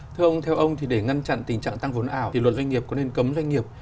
thưa ông theo ông thì để ngăn chặn tình trạng tăng vốn ảo thì luật doanh nghiệp có nên cấm doanh nghiệp